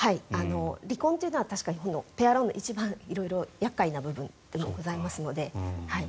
離婚は確かにペアローンの一番色々厄介な部分でございますので。